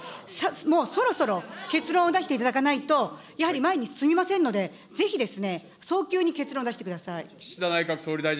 もうそろそろ結論を出していただかないと、やはり前に進みませんので、ぜひ早急に結論を出してください。